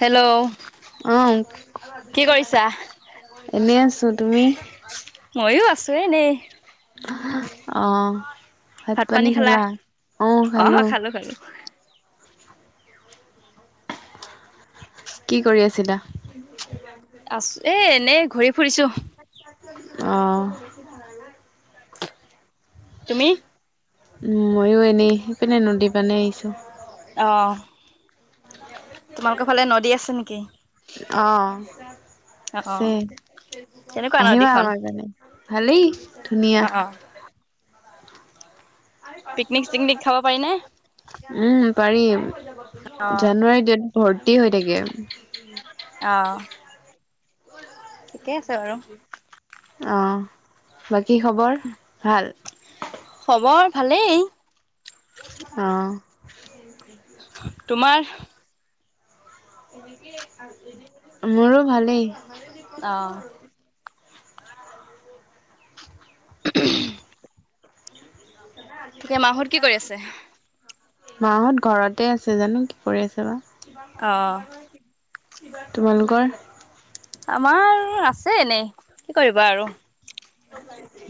Hello উম'। কি কৰিছা? এনেই আছোঁ তুমি? ময়ো আছো এনেই। অ্', ভাত পানী ভাত-পানী খালা? অঁ খালো। [unintelligible] কি কৰি আছিলা? আছ- এ এনেই ঘূৰি ফুৰিছো। অঁ। তুমি? উম' ময়ো এনেই, সেইপিনে নদী পানী আহিছে। অ্। তোমালোকৰ ফালে নদী আছে নেকি? অ্, অ অ আছে। কেনেকুৱা আহিবা নদীখন? আমাৰ ফালে। ভালেই, ধুনীয়া। অ অ পিকনিক চিকনিক খাব পাৰি নে? উম' পাৰিম। অ জানুৱাৰী ডেট ভৰ্তি হৈ থাকে। অ্'। ঠিকে আছে বাৰু। অঁ, বাকী খবৰ ভাল? খবৰ ভালেই। অঁ। তোমাৰ? মোৰো ভালেই। অ্। [unintelligible] এতিয়া মাহঁত কি কৰি আছে? মাহঁত ঘৰতে আছে- জা-নো কি কৰি আছে অ বা। তোমালোকৰ? আমাৰ আছে এনেই, কি কৰিবা আৰু।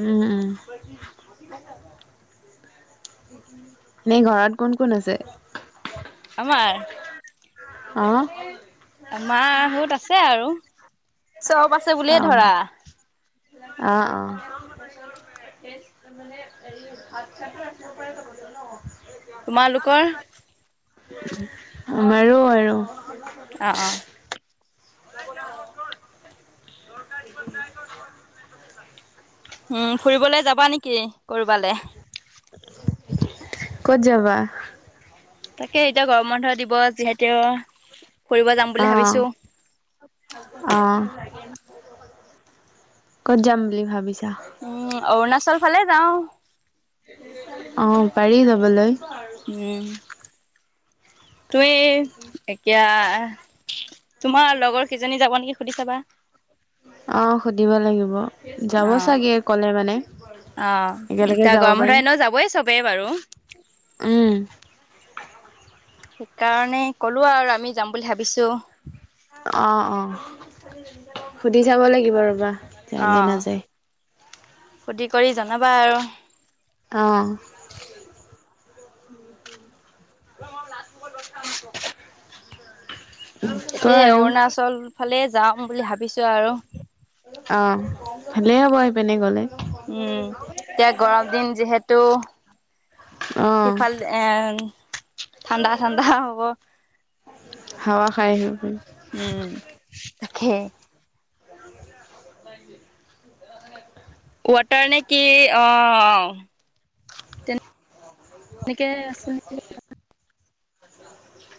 উম উম। এনে ঘৰত কোন কোন আছে? আমাৰ? আউ নো আমাৰ ঘৰত আছে আৰু, চব আছ অঁ, আহ অঁ। [unintelligible] তোমালোকৰ? আমাৰো আৰু অ অ। উম্ ফুৰিবলে যাবা নেকি কৰবালে? ক'ত যাবা? তাকে এতিয়া গৰম বন্ধ দিব যিহেতু, ফুৰিব যাম বুলি অ', ভাবিছো। অ'। কত যাম বুলি ভাবিছা? উম্ অৰুণাচল ফালে যাওঁ। অঁ পাৰি যাবলে। উম্। তুমি এতিয়া তোমাৰ লগৰ কিজনী যাব নেকি সুধি চাবা? অ সুধিব লাগিব, যাব অ', চাগে কলে মানে। অ' একেলগে এতিয়া যাব গৰম পাৰিম, বন্ধ এনেও যাবই চবেই বাৰু। উম'। সেইকাৰণে ক'লো আও আৰু আমি যাম বুলি ভাবিছো। অঁ অঁ। সুধি চাব লাগিব ৰ'বা। যায় অ, নে নাযায়, সুদি-কৰি জনাবা আৰু। অঁ। [unintelligible] কোৱা তাকে আৰু অৰুণাচল ফালে যাম বুলি ভাবিছো আৰু। অ', ভালেই হ'ব সেইপিনে গলে। উম' এতিয়া গৰম দিন যিহেতু, অ', সিফাল এ্ ঠাণ্ডা ঠাণ্ডা হ'ব। হাৱা খাই আহিব পায়িম। উম', তাখে। [unintelligible] কোৱাটাৰ নে কি? অ্ অ্ অ্ এনেকে আছে নহ'লে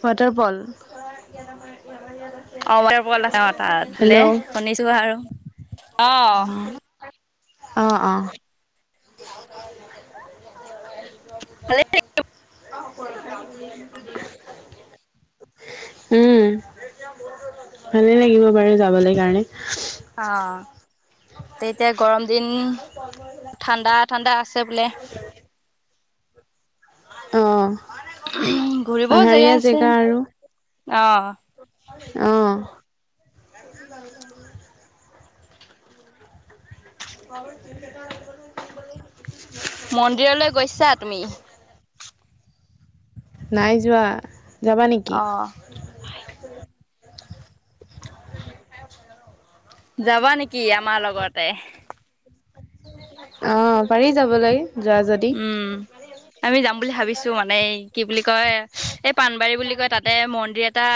ৱাটাৰফল। অ ৱাটাৰফল আছে তাত বোলে হেল্ল'। শুনিছোঁ আৰু। অ্'। অঁ অঁ। [unintelligible] [unintelligible] উম', ভালেই লাগিব বাৰু যাবলে কাৰণে। অ্', তেতিয়া গৰম দিন, ঠাণ্ডাত ঠাণ্ডা আছে বোলে। [unintelligible] অ। ঘূৰিবও জেগা পাহাৰীয়া আছে আৰু অ। অ। [unintelligible] মন্দিৰলে গৈছা তুমি। নাই যোৱা যাবা নেকি! অ যাবা নেকি আমাৰ লগতে। অ পাৰি যাব লৈ যোৱা যদি। উম। আমি যাম বুলি ভাবিছো মানে এই কি বুলি কয় এই পাানবাৰী বুলি কয় তাতে মন্দিৰত। এটা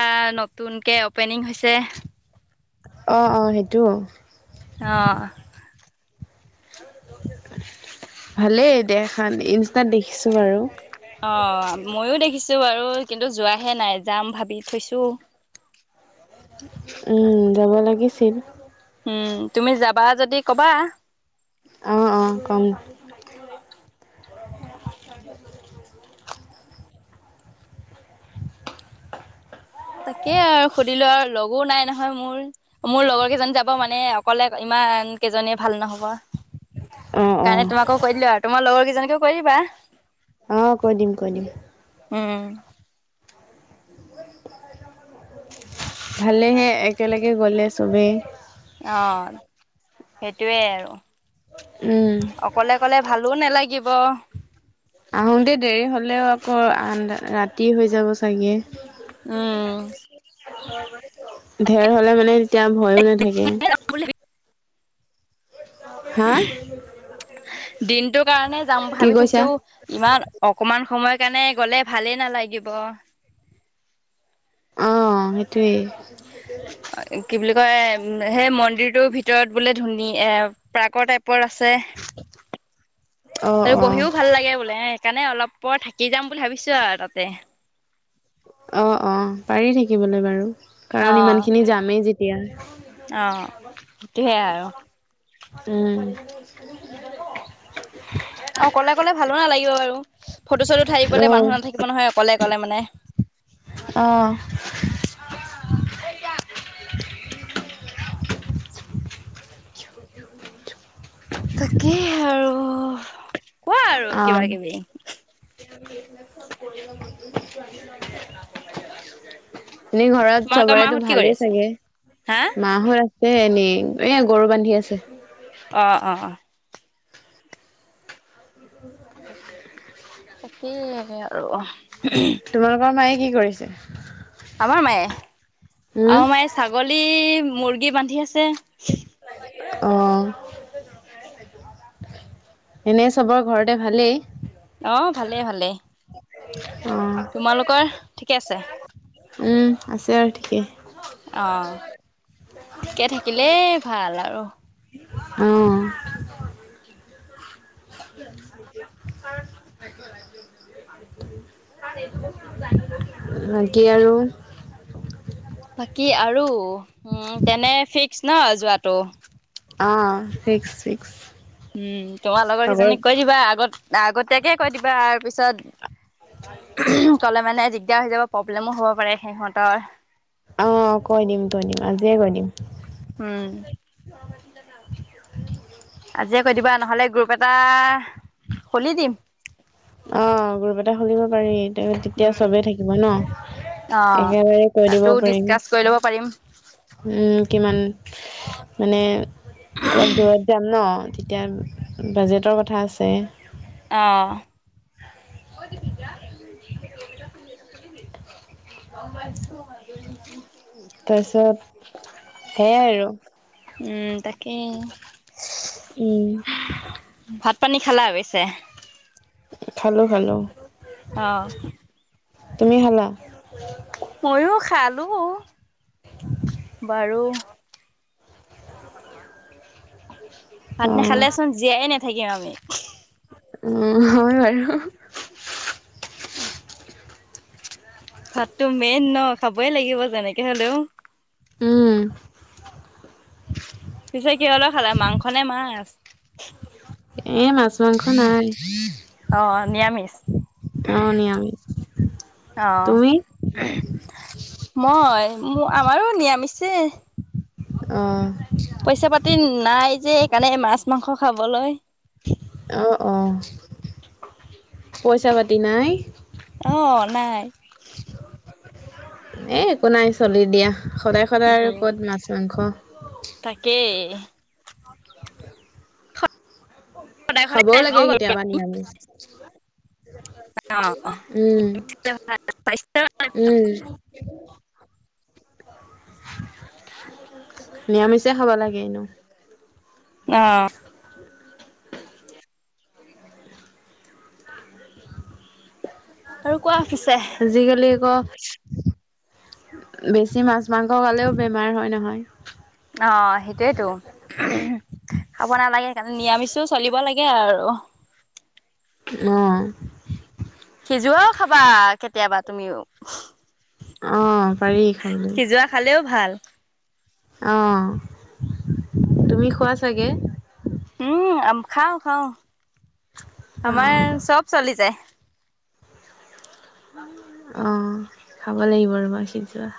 নতুনকে অ'পেনিং হৈছে। অঁ অঁ সেইটো অ ভালেই দেখাত ইনষ্টাত দেখিছো বাৰু অ ময়ো দেখিছো বাৰু কিন্তু যোৱাহে নাই যাম ভাবি থৈছো উম যাব লাগিছিল উম তুমি যাবা যদি ক'বা অ অ কম তাকে আৰু সুধিলো আৰু লগো নাই নহয় মোৰ মোৰ লগৰ কেইজনী যাব মানে অকলে ইমান কেইজনীয়ে ভাল নহব অ', সেইকাৰণে অ', তোমাকো কৈ দিলো আৰু তোমাৰ লগৰ কেইজনীকো কৈ দিবা অ কৈ দিম কৈ দিম উম ভালেহে একেলগে গ'লে চবেই অ সেইটোৱে আৰু উম অকলে অকলে ভালো নালাগিব আহোঁতে দেৰি হ'লেও আকৌ আধা ৰাতি হৈ যাব চাগে উম ঢেৰ হলে মানে তেতিয়া ভয়ো নাথাকে [unintelligible] হা দিনটোৰ কাৰণে যাম কি ভাবি কৈছা? থৈছো ইমান অকমান সময় কাৰণে গলে ভালেই নালাগিব অ সেইটোৱেই কি বুলি কয় সেই মন্দিৰটোৰ ভিতৰত বোলে ধুনীয়া এ প্ৰাকৰ টাইপৰ আছে অ ত বহিও ভাল লাগে বোলে সেইকাৰণে অলপ পৰ থাকি যাম বুলি ভাবিছো আৰু তাতে অ অ পাৰি থাকিবলৈ বাৰু কাৰণ অ', ইমান খিনি যামেই যেতিয়া অ', সেইটোহে আৰু উম অকলে অকলে ভালো নালাগিব বাৰু ফটো চটো উঠাই অ দিবলে মানুহ নাথাকিব নহয় অকলে গ'লে মানে অঁ [inaudible] তাকেই আৰু কোৱা আৰু কিবা কিবি [unintelligible] এনেই ঘৰত তোমালোকৰ চবৰেতো মাহঁত কি কৰি ভালেই আছে? চাগে হা মা শুই আ আছে এনেই এ গৰু বান্ধি আছে অ অ [unintelligible] বাকী সেয়ে আৰু তোমালোকৰ মায়ে কি কৰিছে আমাৰ মায়ে উম আমাৰ মায়ে ছাগলী মুৰ্গী বান্ধি আছে অ এনে চবৰ ঘৰতে ভালেই অ ভালেই ভালেই অ তোমালোকৰ ঠিকে আছে উম আছে আৰু ঠিকে অ ঠিকে থাকিলেই ভাল আৰু অ [unintelligible] বাকী আৰু বাকী আৰু উম তেনে ফিক্স ন' যোৱাটো অঁ, ফিক্স ফিক্স। উম, তোমাৰ লগৰ চবৰে কেইজনীক কৈ দিবা, আগত আগতীয়াকে কৈ দিবা, আৰ পিছত ক'লে মানে, দিগদাৰ হৈ যাব প্ৰব্লেমো হ'ব পাৰে সেহঁতৰ। অ', কৈ দিম, কৈ দিম, আজিয়ে কৈ দিম। উম আজিয়ে কৈ দিবা, নহ'লে গ্ৰুপ এটা খুলি দিম। অ' গ্ৰুপ এটা খুলিব পাৰি, ত তেতিয়া উম চবেই থাকিব ন'। অ একেবাৰে কৈ দিব তাতো পাৰিম। ডিচকাচ কৰি ল'ব পাৰিম উম, কিমান, মানে, অলপ দূৰত যাম ন' তেতিয়া বাজেটৰ কথা আছে। অ' কৈ দিবি যা অমিতা ফলি আছে গম পাইছো মই তাৰ পিছত সেইয়াই আৰু উম তাকে, উম, ভাত পানী খালা পিছে? খালোঁ, খালোঁ অ' তুমি খালা? ময়ো খালো, বাৰু ভাত অ'। নেখালে চোন জীয়াই নাথাকিম আমি। উম হয় বাৰু। ভাততো মেইন ন' খাবই লাগিব যেনেকে হ'লেও। উম। পিছে কিহৰ লগত খালে, মাংস নে মাছ। এ, মাছ, মাংস নাই। অ', নিৰামিষ অ', নিৰামিষ তুমি? অ' মই, মো আমাৰো নিৰামিছেই অ' পইচা পাতি নাই যে সেইকাৰণে মাছ, মাংস খাবলৈ। অ' অ'পইচা পাতি নাই? অ' নাই। এ, একো নাই চলি দিয়া সদায় সদায় আৰু উম ক'ত মাছ, মাংস। তাকেই। সদায় সদায় খাবও লাগে নাখাও বাৰু অ কেতিয়াবা নিৰামিষ। উম, উম। নিৰামিষে খাব লাগে এনেও। অ'। আৰু কোৱা পিছে। আজিকালি আকৌ বেছি মাছ, মাংস খালেও বেমাৰ হয় নহয়। অ' সেইটোৱেতো। খাব নালাগে সেইকাৰণে, নিৰামিষো চলিব লাগে আৰু। অ'। সিজোৱাও খাবা কেতিয়াবা তুমিও। অ' পাৰি খাবলৈ। সিজোৱা খালেও ভাল। অ, তুমি খোৱা চাগে? উম, খাও খাও অ আমাৰ চব চলি যায়। অ' খাব লাগিব ৰবা সিজোৱা।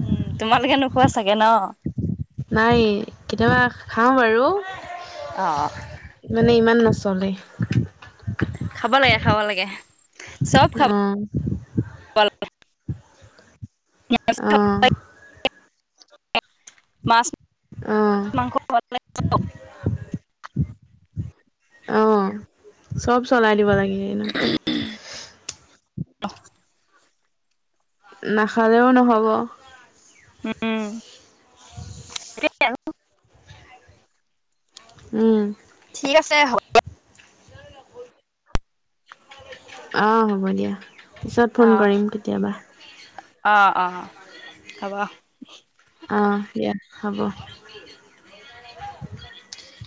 উম, তোমালোকে নোখোৱা চাগে ন'। নাই কেতিয়াবা খাও বাৰু। অহ। মানে ইমান নচলেই। খাব লাগে, খাব লাগে চব খাব অ অহ। [unintelligible] মাছ, মাংস [unintelligible] অ' চব চলাই দিব লাগে এনেও। [unintelligible] নাখালেও নহ'ব। উম। উম'। ঠিক আছে হ অ' হ'ব দিয়া পিছত ফোন অ', কৰিম কেতিয়াবা। অ' অ' হ'ব। অ' দিয়া হ'ব।